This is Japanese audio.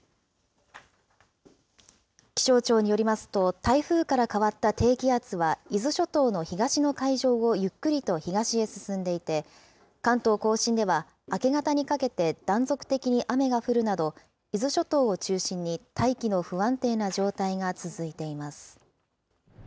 気象庁によりますと、台風から変わった低気圧は伊豆諸島の東の海上をゆっくりと東へ進んでいて、関東甲信では明け方にかけて断続的に雨が降るなど、伊豆諸島を中心に大気の不安定な状態が続いています。